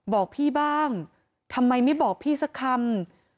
บอกพี่บ้างทำไมไม่บอกพี่สักคำ